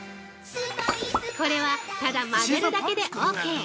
◆これは、ただ混ぜるだけでオーケー！